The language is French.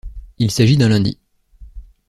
Il s’agit d’un lundi.